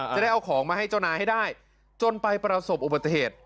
จะได้เอาของมาให้เจ้านายให้ได้จนไปประสบอุบัติเหตุ